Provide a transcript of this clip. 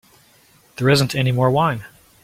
There isn't any more wine.